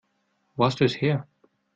Wo hast du es her?